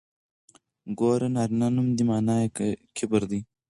ګور نرينه نوم دی مانا يې کبر دی.